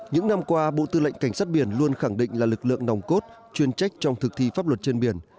những năm qua bộ tư lệnh cảnh sát biển luôn khẳng định là lực lượng nòng cốt chuyên trách trong thực thi pháp luật trên biển